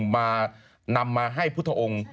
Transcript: มานำมาให้พุทธองค์